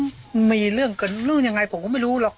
มันมีเรื่องกันเรื่องยังไงผมก็ไม่รู้หรอก